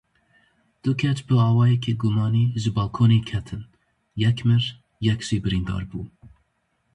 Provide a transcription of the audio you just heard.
Du keç bi awayekî gumanî ji balkonê ketin; yek mir, yek jî birîndar bû.